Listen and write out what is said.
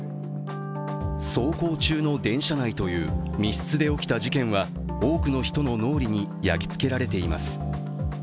走行中の電車内という密室で起きた事件は多くの人の脳裏に焼きつけられています。